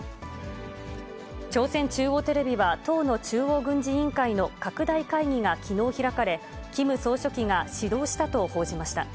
朝鮮中央テレビは、党の中央軍事委員会の拡大会議がきのう開かれ、キム総書記が指導したと報じました。